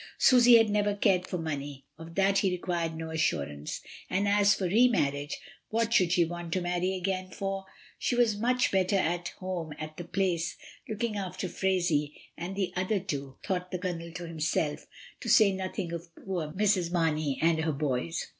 Susy had never cared for money, of that he required no as surance, and as for re marriage, what should she 4© MRS. DYMOND. want to marry again for? she was much better at home at the Place, looking after Phraisie and the other two, thought the Colonel to himself, to say nothing of poor Mrs. Mamey and her boys.